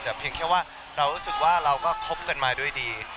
แต่เพียงแค่ว่าเรารู้สึกว่าเราก็คบกันมาด้วยดี